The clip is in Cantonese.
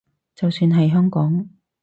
就算係香港